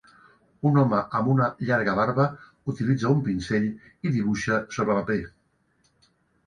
Un home amb una llarga barba utilitza un pinzell i dibuixa sobre paper.